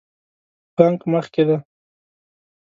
بانک مخکې ده